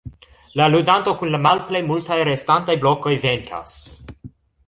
La ludanto kun la malplej multaj restantaj blokoj venkas.